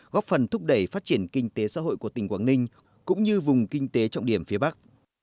góp phần thúc đẩy phát triển kinh tế xã hội của tỉnh quảng ninh cũng như vùng kinh tế trọng điểm phía bắc